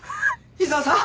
井沢さん。